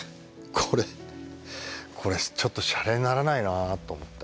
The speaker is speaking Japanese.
これこれちょっとシャレにならないなと思って。